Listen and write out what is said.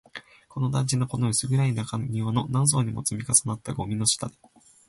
この団地の、この薄暗い中庭の、何層にも積み重なったゴミの下で